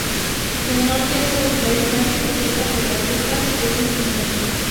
De norte a sur, la distancia cubierta por las grutas es de un kilómetro.